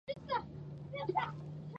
په دې ولايت كې د كابل- كندهار لوى سړك غځېدلى